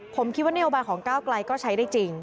ผมคิดว่านโนโลกาลของก้าวกลายก็ใช้ได้จริง